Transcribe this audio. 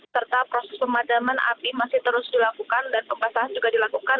serta proses pemadaman api masih terus dilakukan dan pembasahan juga dilakukan